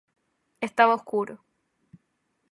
Estaba oscuro.